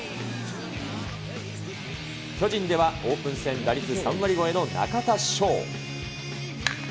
巨人では、オープン戦打率３割超えの中田翔。